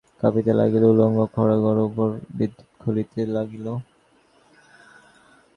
বাতাসে মন্দিরের সহস্র দীপশিখা কাঁপিতে লাগিল, উলঙ্গ খড়্গের উপর বিদ্যুৎ খেলিতে লাগিল।